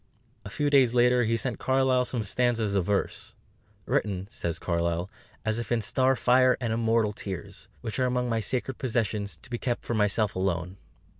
A few days later he sent Carlyle some stanzas of verse, "written," says Carlyle, "as if in star fire and immortal tears; which are among my sacred possessions, to be kept for myself alone."